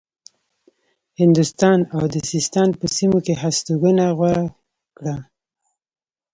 هندوستان او د سیستان په سیمو کې هستوګنه غوره کړه.